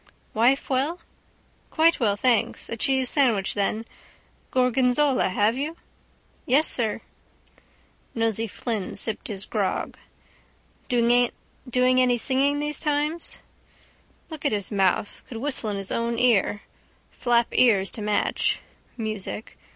—Wife well? —Quite well, thanks... A cheese sandwich, then. Gorgonzola, have you? —Yes, sir. Nosey Flynn sipped his grog. —Doing any singing those times? Look at his mouth. Could whistle in his own ear. Flap ears to match. Music.